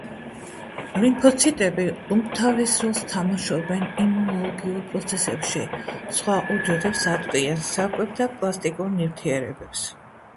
ლიმფოციტები უმთავრეს როლს თამაშობენ იმუნოლოგიურ პროცესებში, სხვა უჯრედებს აწვდიან საკვებ და პლასტიკურ ნივთიერებებს.